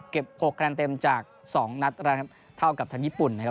เก็บหกคะแนนเต็มจากสองนัดแล้วครับเท่ากับทางญี่ปุ่นนะครับ